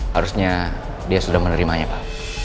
harusnya dia sudah menerimanya pak